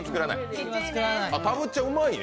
たぶっちゃん、うまいね。